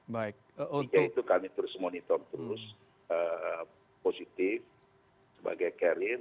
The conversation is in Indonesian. jadi itu kami terus monitor terus positif sebagai carrier